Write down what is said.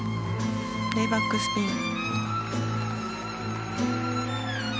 レイバックスピン。